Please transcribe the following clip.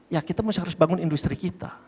ya kita harus bangun industri kita